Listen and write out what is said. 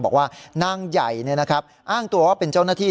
บอกว่านางใหญ่อ้างตัวว่าเป็นเจ้าหน้าที่